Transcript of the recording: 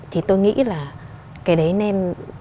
thì tôi nghĩ là cái đấy nên